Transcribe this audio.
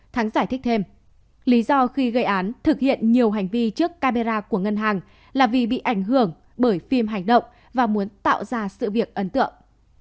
thắng giải thích thêm lý do khi gây án thực hiện nhiều hành vi trước camera của ngân hàng là vì bị ảnh hưởng bởi phim hành động và muốn tạo ra sự việc ấn tượng